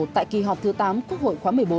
tại kỳ họp thứ tám quốc hội khóa một mươi bốn